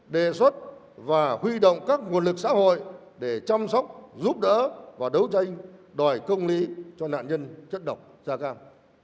đề xuất và huy động các nguồn lực xã hội để chăm sóc giúp đỡ và đấu tranh đòi công lý cho nạn nhân chất độc da cam